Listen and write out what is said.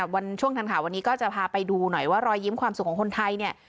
วันช่วงทันข่าววันนี้ก็จะพาไปดูหน่อยว่ารอยยิ้มความสุขของคนไทยเนี่ย